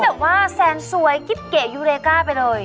ที่แบบว่าแซนสวยกิ้บเกะยูเลค้าไปเลย